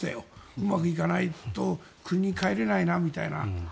うまくいかないと国へ帰れないなみたいな。